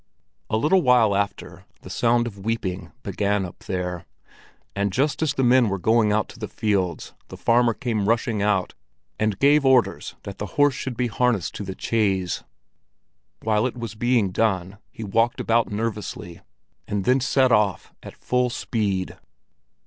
A little while after the sound of weeping began up there, and just as the men were going out to the fields, the farmer came rushing out and gave orders that the horse should be harnessed to the chaise. While it was being done, he walked about nervously, and then set off at full speed.